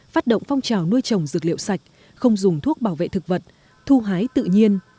phát động phong trào nuôi trồng dược liệu sạch không dùng thuốc bảo vệ thực vật thu hái tự nhiên